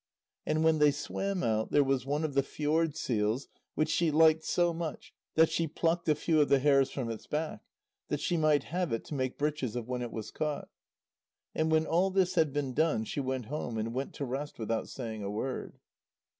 And when they swam out, there was one of the fjord seals which she liked so much that she plucked a few of the hairs from its back, that she might have it to make breeches of when it was caught. And when all this had been done, she went home, and went to rest without saying a word.